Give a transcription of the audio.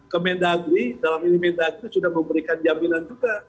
ke medagri dalam ini medagri sudah memberikan jaminan juga